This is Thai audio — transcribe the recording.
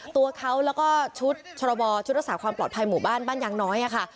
ตัวเขาแล้วก็ชุดชรบชุดรักษาความปลอดภัยหมู่บ้านบ้านยางน้อยค่ะ